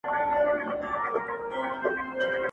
د ُملا په څېر به ژاړو له اسمانه٫